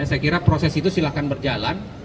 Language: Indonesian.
saya kira proses itu silahkan berjalan